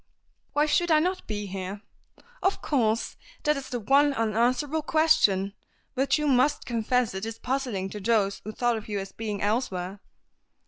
"Why should I not be here?" "Of course! That is the one unanswerable question. But you must confess it is puzzling to those who thought of you as being elsewhere."